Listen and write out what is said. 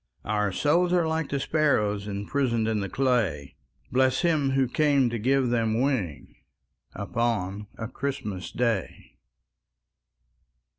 Our souls are like the sparrows Imprisoned in the clay, Bless Him who came to give them wings Upon a Christmas Day!